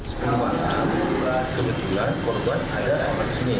sebelum malam kebetulan korban ada di sini